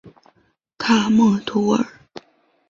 卡默图尔。